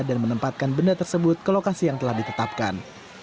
dan menempatkan benda tersebut ke lokasi yang telah ditetapkan